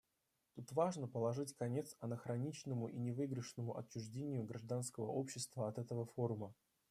Тут важно положить конец анахроничному и невыигрышному отчуждению гражданского общества от этого форума.